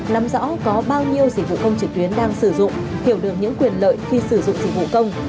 nắm rõ có bao nhiêu dịch vụ công trực tuyến đang sử dụng hiểu được những quyền lợi khi sử dụng dịch vụ công